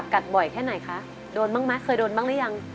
ปวดนิดนึง